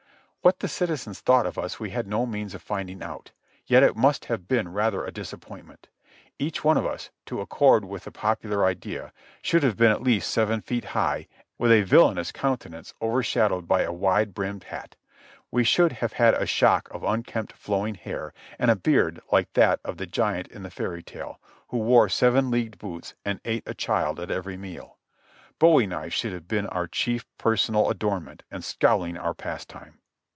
What the citizens thought of us we had no means of finding out; yet it must have been rather a disappointment. Each one of us, to accord with the popular idea, should have been at least seven feet high, with a villainous countenance overshadowed by a wide brimmed hat. We should have had a shock of unkempt, flowing hair, and a beard like that of the giant in the fairy tale, who wore seven leagued boots and ate a child at every meal. Bowie knives should have been our chief personal adornment, and scowling our pastime.